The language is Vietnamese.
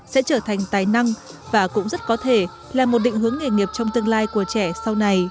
sẽ trở thành tài năng và cũng rất có thể là một định hướng nghề nghiệp trong tương lai của trẻ sau này